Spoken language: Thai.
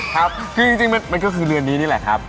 ครับคือจริงมันก็คือเรือนนี้นี่แหละครับ